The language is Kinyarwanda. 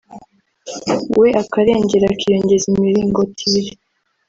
we akarengera akiyongeza imiringoti ibiri